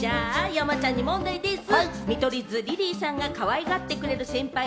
山ちゃんに問題でぃす！